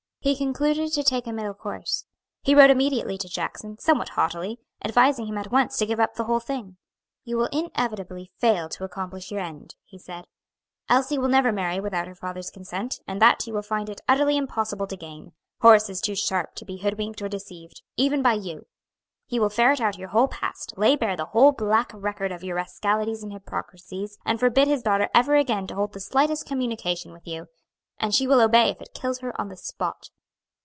He concluded to take a middle course. He wrote immediately to Jackson, somewhat haughtily, advising him at once to give up the whole thing. "You will inevitably fail to accomplish your end," he said. "Elsie will never marry without her father's consent, and that you will find it utterly impossible to gain. Horace is too sharp to be hoodwinked or deceived, even by you. He will ferret out your whole past, lay bare the whole black record of your rascalities and hypocrisies, and forbid his daughter ever again to hold the slightest communication with you. And she will obey if it kills her on the spot."